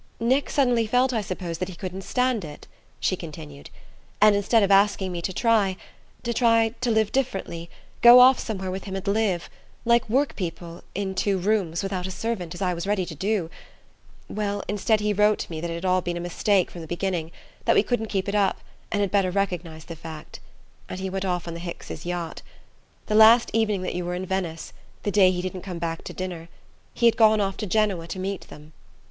"Nick suddenly felt, I suppose, that he couldn't stand it," she continued; "and instead of asking me to try to try to live differently, go off somewhere with him and live, like work people, in two rooms, without a servant, as I was ready to do; well, instead he wrote me that it had all been a mistake from the beginning, that we couldn't keep it up, and had better recognize the fact; and he went off on the Hickses' yacht. The last evening that you were in Venice the day he didn't come back to dinner he had gone off to Genoa to meet them.